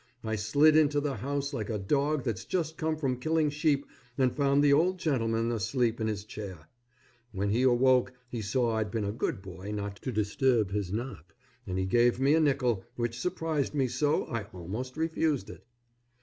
I slid into the house like a dog that's just come from killing sheep and found the old gentleman asleep in his chair. When he awoke he said I'd been a good boy not to disturb his nap, and he gave me a nickel, which surprised me so I almost refused it.